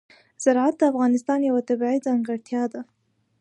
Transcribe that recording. زراعت د افغانستان یوه طبیعي ځانګړتیا ده.